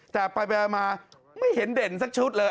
แต่ไปมาไม่เห็นเด่นสักชุดเลย